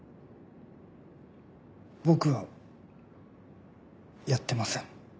僕はやってません。